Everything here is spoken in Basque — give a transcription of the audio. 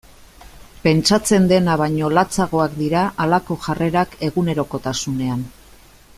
Pentsatzen dena baino latzagoak dira halako jarrerak egunerokotasunean.